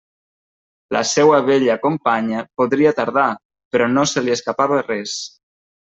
La seua vella companya podria tardar, però no se li escapava res.